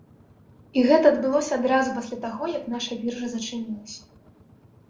І гэта адбылося адразу пасля таго, як наша біржа зачынілася.